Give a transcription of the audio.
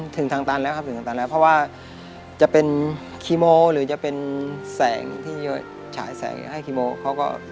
ถึงทางตันแล้วครับถึงทางตันแล้วเพราะว่าจะเป็นคีโมหรือจะเป็นแสงที่จะฉายแสงให้คีโมเขาก็